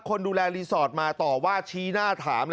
คนดูแลรีสอร์ทมาต่อว่าชี้หน้าถาม